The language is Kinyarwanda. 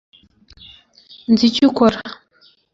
nzi icyo ukora